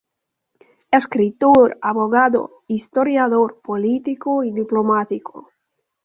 Escritor, abogado, historiador, político y diplomático.